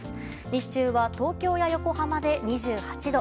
日中は東京や横浜で２８度。